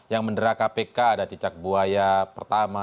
yang mendera kpk ada cicak buaya pertama